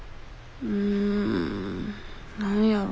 ん何やろ。